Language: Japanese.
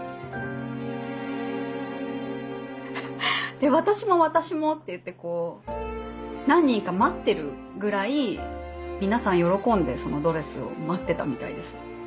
で「私も私も」っていって何人か待ってるぐらい皆さん喜んでそのドレスを待ってたみたいです。